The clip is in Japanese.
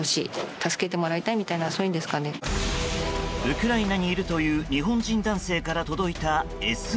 ウクライナにいるという日本人男性から届いたＳＯＳ。